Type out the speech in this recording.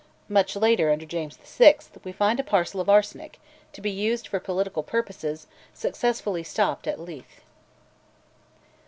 Much later, under James VI., we find a parcel of arsenic, to be used for political purposes, successfully stopped at Leith.